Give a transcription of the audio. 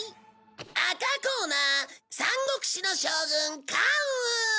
赤コーナー『三国志』の将軍関羽！